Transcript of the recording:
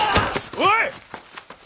・おい！